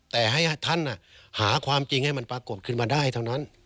แต่ให้ท่านหาความจริงให้มันปรากฏขึ้นมาได้เท่านั้น